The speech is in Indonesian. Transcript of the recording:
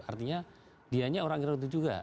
artinya dianya orang yang roti juga